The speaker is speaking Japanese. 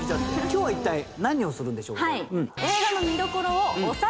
今日は一体何をするんでしょうか？